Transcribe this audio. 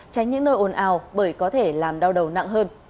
tránh những nơi ồn ào bởi có thể làm đau đầu nặng hơn